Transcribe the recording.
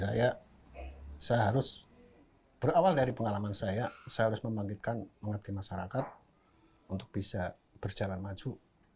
saya harus berawal dari pengalaman saya saya harus membangkitkan mengerti masyarakat untuk bisa berjalan maju